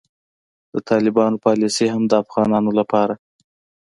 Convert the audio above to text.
د طالبانو پالیسي هم د افغانانو لپاره